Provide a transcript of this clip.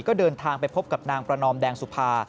ก็เดินทางไปพบกับนางประนอมแดงสุภา